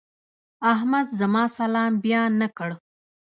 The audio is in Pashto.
احمد زما سلام بيا نه کړ.